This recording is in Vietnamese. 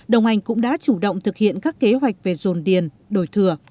đồng anh cũng đã chủ động thực hiện các kế hoạch về dồn điền đổi thừa